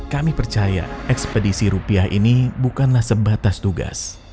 kami percaya ekspedisi rupiah ini bukanlah sebatas tugas